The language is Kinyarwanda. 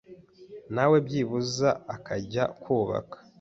nawe byibuza akajya kubaka